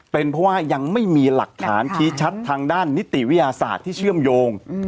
เป็นเพราะว่ายังไม่มีหลักฐานชี้ชัดทางด้านนิติวิทยาศาสตร์ที่เชื่อมโยง